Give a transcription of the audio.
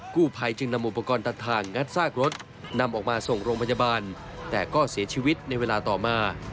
กู้ภัยจึงนำอุปกรณ์ตัดทางงัดซากรถนำออกมาส่งโรงพยาบาลแต่ก็เสียชีวิตในเวลาต่อมา